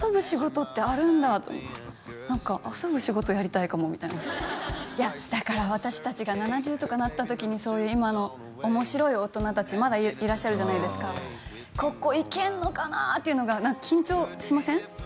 仕事ってあるんだと思って何か遊ぶ仕事やりたいかもみたいないやだから私達が７０とかなった時にそういう今のおもしろい大人達まだいらっしゃるじゃないですかここいけんのかなっていうのが何か緊張しません？